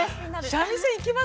三味線行きます？